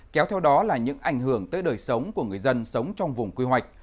kéo theo đó là những ảnh hưởng tới đời sống của người dân sống trong vùng quy hoạch